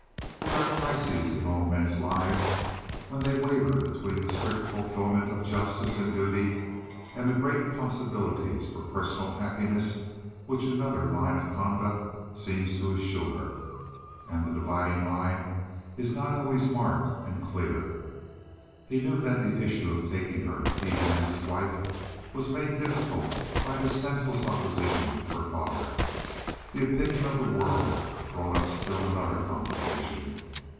There are crises in all men's lives when they waver between the strict fulfilment of justice and duty and the great possibilities for personal happiness which another line of conduct seems to assure. And the dividing line is not always marked and clear. He knew that the issue of taking her, even as his wife, was made difficult by the senseless opposition of her father. The opinion of the world brought up still another complication.